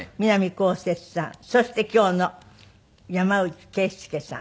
こうせつさんそして今日の山内惠介さん。